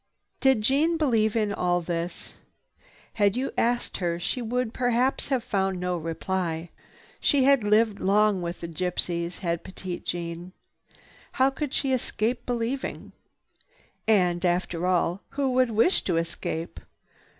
Did Jeanne believe in all this? Had you asked her, she would perhaps have found no reply. She had lived long with the gypsies, had Petite Jeanne. How could she escape believing? And, after all, who would wish to escape?